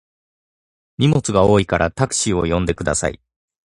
荷物が多いからタクシーを呼んでください。